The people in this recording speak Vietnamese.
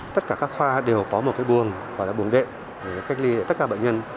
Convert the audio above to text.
tất cả các khoa đều có một cái buồng gọi là buồng đệm cách ly tất cả bệnh nhân